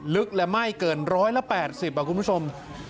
ลึกและไหม้เกิน๑๘๐คุณผู้ชม